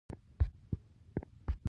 کندهار د افغان ځوانانو لپاره دلچسپي لري.